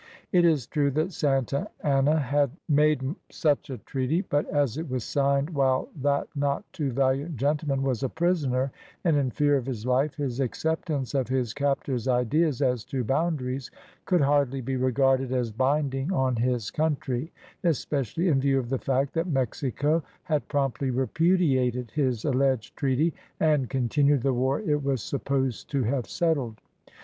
It is true that Santa Anna had made such a treaty, but as it was signed while that not too valiant gentleman was a prisoner and in fear of his life, his acceptance of his captors' ideas as to boundaries could hardly be regarded as binding on his country, especially in view of the fact that Mexico had promptly repudiated his alleged treaty and continued the war it was supposed to have settled.